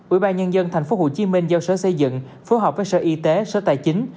ủy ban nhân dân tp hcm giao sở xây dựng phối hợp với sở y tế sở tài chính